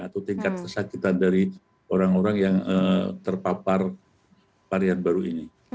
atau tingkat kesakitan dari orang orang yang terpapar varian baru ini